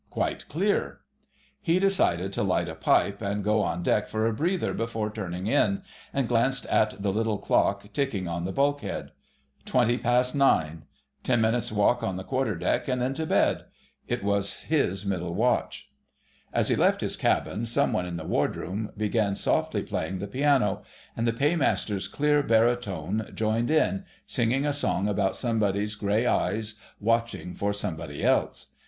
Quite clear. He decided to light a pipe and go on deck for a "breather" before turning in, and glanced at the little clock ticking on the bulkhead. Twenty past nine; ten minutes walk on the quarter deck and then to bed. It was his middle watch. As he left his cabin some one in the Wardroom began softly playing the piano, and the Paymaster's clear baritone joined in, singing a song about somebody's grey eyes watching for somebody else.